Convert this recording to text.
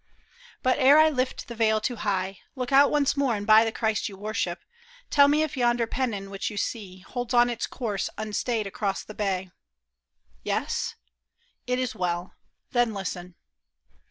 But ere I lift the veil too high, Look out once more and by the Christ you worship, Tell me if yonder pennon which you see. Holds on its course unstayed across the ba}^ Yes ? It is well ; then Hsten.